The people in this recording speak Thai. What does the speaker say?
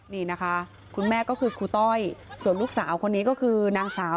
นี่นะคะคุณแม่ก็คือครูต้อยส่วนลูกสาวคนนี้ก็คือนางสาว